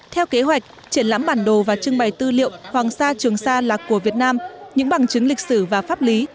theo kế hoạch triển lãm bản đồ và trưng bày tư liệu hoàng sa trường sa là của việt nam những bằng chứng lịch sử và pháp lý